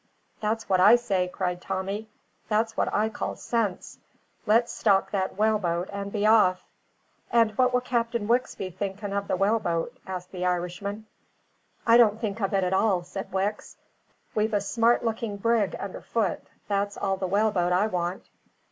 "That's what I say," cried Tommy; "that's what I call sense! Let's stock that whaleboat and be off." "And what will Captain Wicks be thinking of the whaleboat?" asked the Irishman. "I don't think of it at all," said Wicks. "We've a smart looking brig under foot; that's all the whaleboat I want."